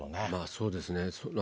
そうですね。